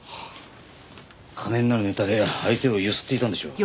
金になるネタで相手をゆすっていたんでしょう。